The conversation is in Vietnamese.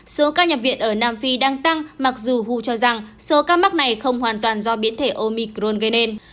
số ca nhập viện ở nam phi đang tăng mặc dù hu cho rằng số ca mắc này không hoàn toàn do biến thể omicron gây nên